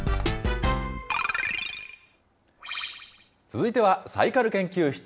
続いてはサイカル研究室。